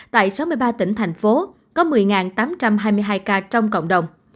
tại sáu mươi ba tỉnh thành phố có một mươi tám trăm hai mươi hai ca trong cộng đồng